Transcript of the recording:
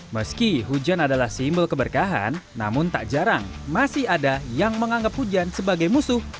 meski hujan adalah simbol keberkahan namun tak jarang masih ada yang menganggap hujan sebagai musuh